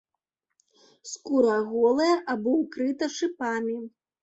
Скура голая або ўкрыта шыпамі.